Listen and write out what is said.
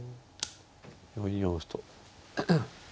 ４四歩と。